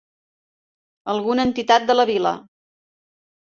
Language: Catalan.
Alguna entitat de la vila.